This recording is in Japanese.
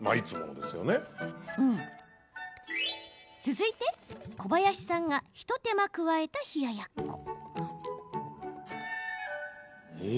続いて、小林さんがひと手間加えた冷ややっこ。